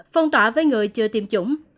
phong tỏa với người chưa tiêm chủng